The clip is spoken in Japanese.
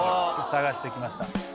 探してきました。